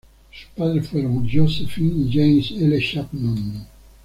Sus padres fueron Josephine y James L. Chapman.